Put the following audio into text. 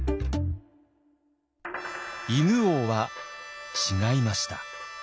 犬王は違いました。